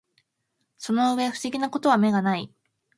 その上不思議な事は眼がない